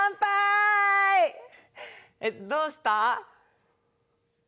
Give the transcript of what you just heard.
えっどうした？